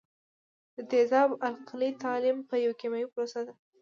د تیزاب او القلي تعامل یو کیمیاوي پروسه ده.